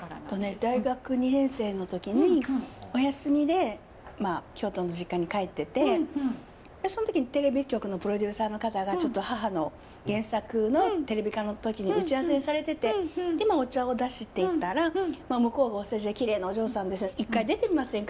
大学２年生の時にお休みで京都の実家に帰っててその時にテレビ局のプロデューサーの方がちょっと母の原作のテレビ化の時に打ち合わせされててお茶を出していたら向こうがお世辞で「きれいなお嬢さんですね一回出てみませんか？